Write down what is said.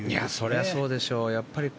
それはそうでしょう。